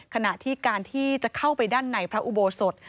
ขณะที่การที่จะเข้าไปด้านในพระอุโบสถ